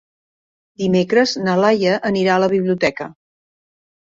Dimecres na Laia anirà a la biblioteca.